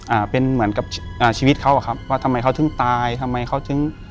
อ่าเป็นเหมือนกับอ่าชีวิตเขาอะครับว่าทำไมเขาถึงตายทำไมเขาถึง